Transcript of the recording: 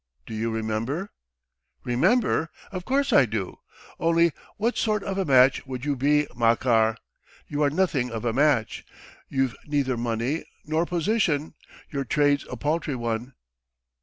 Do you remember?" "Remember! of course I do. Only, what sort of a match would you be, Makar? You are nothing of a match. You've neither money nor position, your trade's a paltry one."